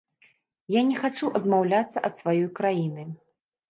Я не хачу адмаўляцца ад сваёй краіны.